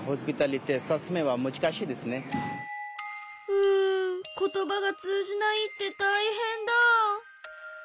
うん言葉が通じないってたいへんだ。